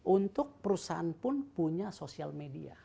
untuk perusahaan pun punya sosial media